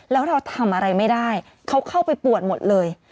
แล้วเราทำอะไรไม่ได้เขาเข้าไปปวดหมดเลย